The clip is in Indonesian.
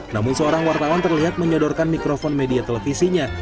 namun seorang wartawan terlihat menyodorkan mikrofon media televisinya